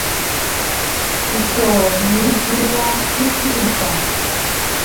Ǹsòò mɨjɨ wa ɨ fii tsɨ̂ŋ.